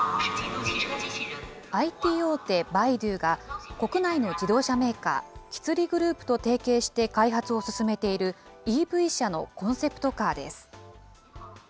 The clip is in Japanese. ＩＴ大手、百度が国内の自動車メーカー、吉利グループと提携して開発を進めている、ＥＶ車のコンセプトカーです。